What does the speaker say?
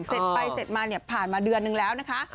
เสร็จไปเสร็จมาเนี่ยผ่านมาเดือนนึงแล้วนะคะ